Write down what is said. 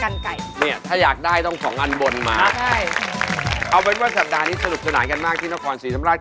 เนี่ยถ้าอยากได้ต้องสองอันบนมาใช่เอาเป็นว่าสัปดาห์นี้สนุกสนานกันมากที่นครศรีธรรมราช